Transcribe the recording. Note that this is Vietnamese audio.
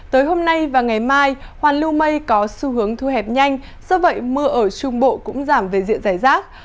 tới hôm nay và ngày mai hoàn lưu mây có xu hướng thu hẹp nhanh do vậy mưa ở trung bộ cũng giảm về diện giải rác